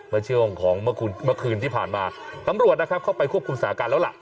เมื่อช่วงของเมื่อคืนเมื่อคืนที่ผ่านมาตำรวจนะครับเข้าไปควบคุมสถานการณ์แล้วล่ะ